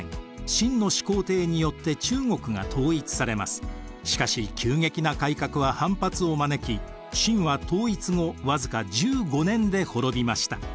そういう意味でしかし急激な改革は反発を招き秦は統一後僅か１５年で滅びました。